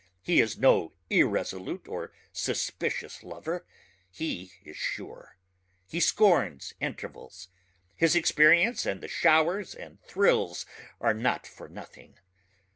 He is no irresolute or suspicious lover ... he is sure ... he scorns intervals. His experience and the showers and thrills are not for nothing.